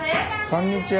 こんにちは。